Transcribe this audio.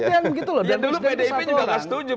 dan presiden itu satu orang dulu pdip juga nggak setuju